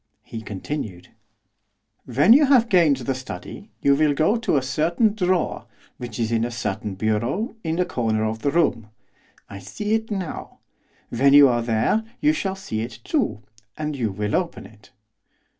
He continued. 'When you have gained the study, you will go to a certain drawer, which is in a certain bureau, in a corner of the room I see it now; when you are there you shall see it too and you will open it.